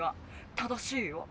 正しいよ。